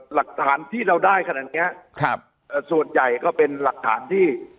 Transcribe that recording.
หลักฐานที่เราได้ขนาดเนี้ยครับเอ่อส่วนใหญ่ก็เป็นหลักฐานที่